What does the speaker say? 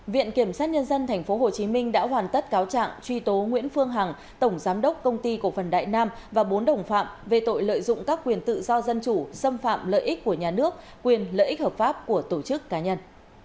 viện kiểm sát nhân dân tp hcm đã hoàn tất cáo trạng truy tố nguyễn phương hằng tổng giám đốc công ty cổ phần đại nam và bốn đồng phạm về tội lợi dụng các quyền tự do dân chủ xâm phạm lợi ích của nhà nước quyền lợi ích hợp pháp của tổ chức cá nhân